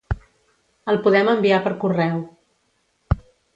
El podem enviar per correu.